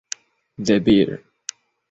De Vir.